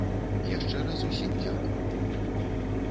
Яшчэ раз усім дзякуй.